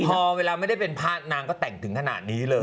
พอเวลาไม่ได้เป็นพระนางก็แต่งถึงขนาดนี้เลย